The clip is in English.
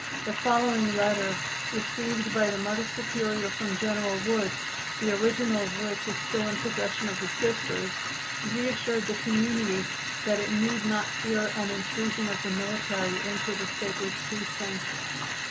The following letter, received by the Mother Superior from General Wood, the original of which is still in possession of the Sisters, reassured the community that it need not fear an intrusion of the military into the sacred precincts.